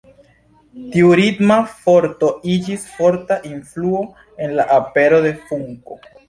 Tiu ritma forto iĝis forta influo en la apero de funko.